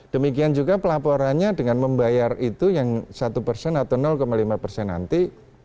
demikian juga pelaporannya dengan membayar itu yang satu persen atau lima persen nanti